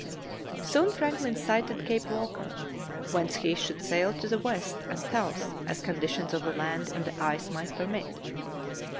Soon Franklin sighted Cape Walker, whence he should sail to the west and south as conditions of the land and the ice might permit.